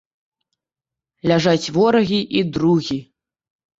Ляжаць ворагі і другі.